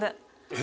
え？